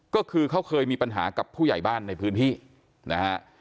ก็คือเขาเคยมีปัญหากับผู้ใหญ่บ้านในพื้นที่นะฮะ